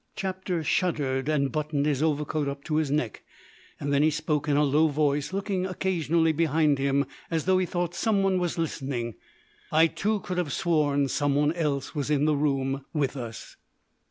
Chapter shuddered, and buttoned his overcoat up to his neck. Then he spoke in a low voice, looking occasionally behind him as though he thought someone was listening. I too could have sworn someone else was in the room with us.